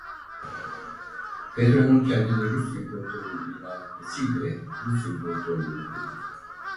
Petro'nun kendini Rus İmparatoru ilan etmesi ile Rus İmparatorluğu kuruldu.